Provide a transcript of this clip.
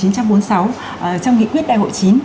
trong nghị quyết đại hội chín